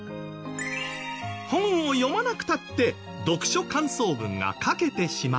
本を読まなくたって読書感想文が書けてしまう。